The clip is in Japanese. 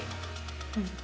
うん。